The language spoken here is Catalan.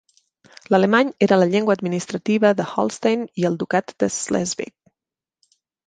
L'alemany era la llengua administrativa de Holstein i el Ducat de Slesvig.